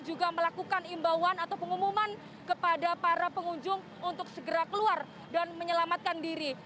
juga melakukan imbauan atau pengumuman kepada para pengunjung untuk segera keluar dan menyelamatkan diri